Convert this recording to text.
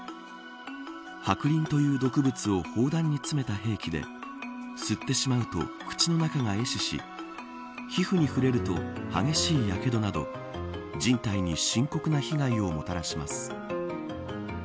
白リンという毒物を砲弾に詰めて兵器で吸ってしまうと口の中が壊死し皮膚に触れると激しいやけどなど全体に深刻な被害をもたらします。